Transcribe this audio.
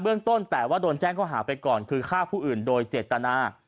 เรื่องต้นแต่ว่าโดนแจ้งข้อหาไปก่อนคือฆ่าผู้อื่นโดยเจตนา